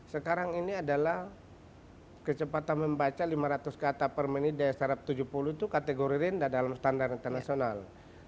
sekarang ini adalah kecepatan membaca lima ratus kata per menit dari startup tujuh puluh itu kategori rendah dalam standar internasional